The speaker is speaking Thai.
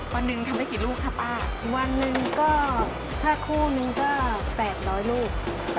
วันหนึ่งทำได้กี่ลูกคะป้าวันหนึ่งก็ถ้าคู่นึงก็๘๐๐ลูก